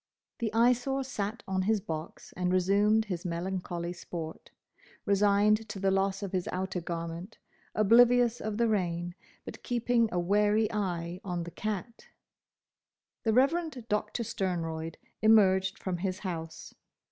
The Eyesore sat on his box and resumed his melancholy sport, resigned to the loss of his outer garment, oblivious of the rain, but keeping a wary eye on the cat. The Reverend Doctor Sternroyd emerged from his house.